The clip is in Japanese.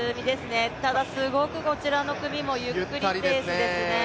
ただ、すごくこちらの組もゆっくりペースですね。